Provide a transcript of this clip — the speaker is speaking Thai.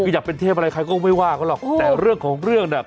คืออยากเป็นเทพอะไรใครก็ไม่ว่าเขาหรอกแต่เรื่องของเรื่องเนี่ย